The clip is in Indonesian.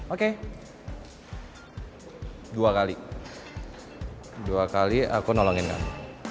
oke dua kali dua kali aku nolongin kamu